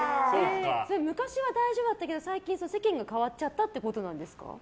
昔は大丈夫だったけど最近、世間が変わっちゃったってことなんですか。